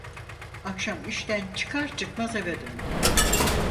Akşam işten çıkar çıkmaz eve döndüm.